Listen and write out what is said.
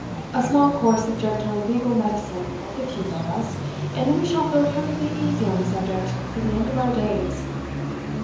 A small course of gentle legal medicine, if you love us, and then we shall feel perfectly easy on the subject to the end of our days."